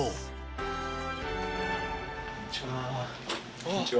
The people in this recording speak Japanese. こんにちは。